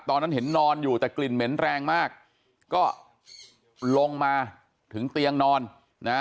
ตอนนั้นเห็นนอนอยู่แต่กลิ่นเหม็นแรงมากก็ลงมาถึงเตียงนอนนะ